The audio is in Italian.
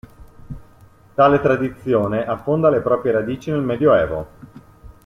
Tale tradizione affonda le proprie radici nel medioevo.